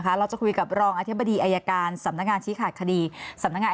เราจะคุยกับรองอธิบดีอายการสำนักงานชี้ขาดคดีสำนักงาน